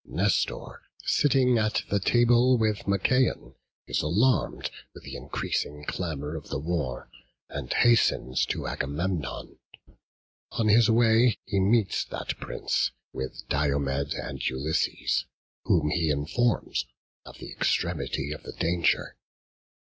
Nestor, sitting at the table with Machaon, is alarmed with the increasing clamour of the war, and hastens to Agamemnon; on his way he meets that prince with Diomed and Ulysses, whom he informs of the extremity of the danger.